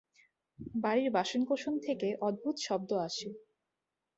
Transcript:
বাড়ির বাসনকোসন থেকে অদ্ভুত শব্দ আসে।